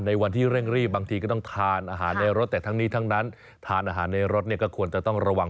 ในวันที่เร่งรีบบางทีก็ต้องทานอาหารในรถแต่ทั้งนี้ทั้งนั้นทานอาหารในรถเนี่ยก็ควรจะต้องระวัง